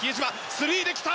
スリーで来た！